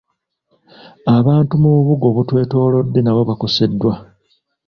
Abantu mu bubuga obutwetoolodde nabo bakoseddwa.